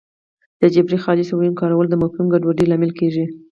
د جبري خالصو ویونو کارول د مفهومي ګډوډۍ لامل کېږي